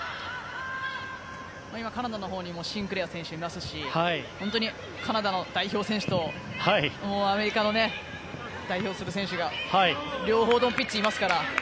今、カナダのほうにもシンクレア選手いますし本当にカナダの代表選手とアメリカの代表する選手が両方ともピッチにいますから。